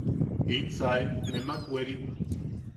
¡In saim, nemak werim!